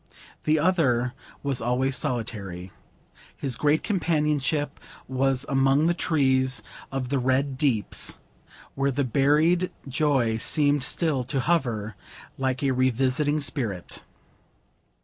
The other was always solitary. His great companionship was among the trees of the Red Deeps, where the buried joy seemed still to hover, like a revisiting spirit.